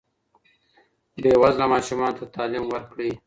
بیوزله ماشومانو ته تعلیم ورکړئ.